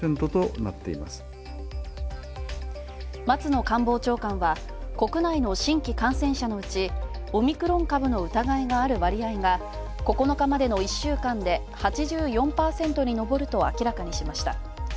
松野官房長官は、国内の新規感染者のうちオミクロン株の疑いがある割合が９日までの１週間で、８４％に上ると明らかにしました。